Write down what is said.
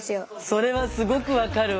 それはすごくわかるわ。